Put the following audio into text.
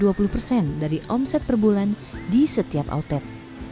dengan pertumbuhan bisnis yang meningkat dua puluh dari omset per bulan di setiap outlet